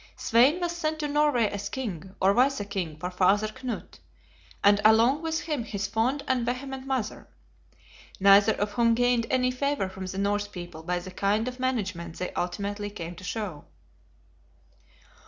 Svein was sent to Norway as king or vice king for Father Knut; and along with him his fond and vehement mother. Neither of whom gained any favor from the Norse people by the kind of management they ultimately came to show.